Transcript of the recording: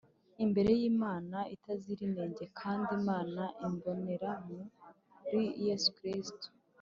imbere y'Imana itazira inenge kandi Imana imbonera muri Yesu Kristo.